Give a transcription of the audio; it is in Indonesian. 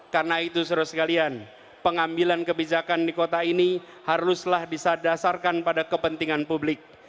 karena itu saudara sekalian pengambilan kebijakan di kota ini haruslah bisa dasarkan pada kepentingan publik